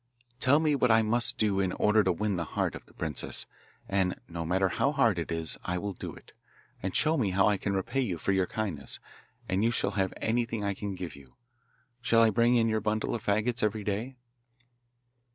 'Tell me what I must do in order to win the heart of the princess, and no matter how hard it is I will do it. And show me how I can repay you for your kindness, and you shall have anything I can give you. Shall I bring in your bundle of faggots every day?